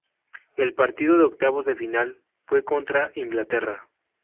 El partido de octavos de final fue contra Inglaterra.